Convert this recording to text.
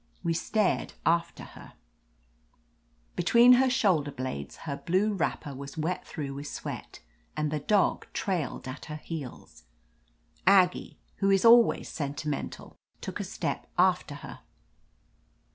We stared after her ; between her shoulder blades her blue 237 THE AMAZING ADVENTURES wrapper was wet through with sweat, and the dog trailed at her heels. Aggie, who is always sentimental, took a step after her.